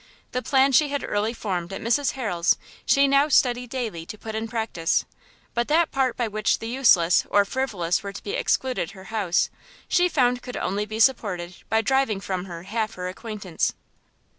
The plan she had early formed at Mrs Harrel's she now studied daily to put in practice; but that part by which the useless or frivolous were to be excluded her house, she found could only be supported by driving from her half her acquaintance.